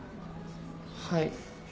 はい。